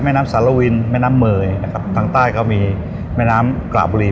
น้ำสารวินแม่น้ำเมยนะครับทางใต้ก็มีแม่น้ำกระบุรี